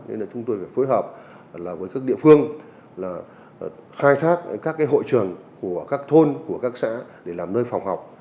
nên là chúng tôi phải phối hợp với các địa phương là khai thác các hội trường của các thôn của các xã để làm nơi phòng học